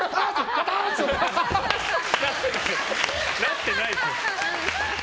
なってないでしょ！